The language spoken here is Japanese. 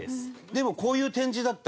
でもこういう展示だった。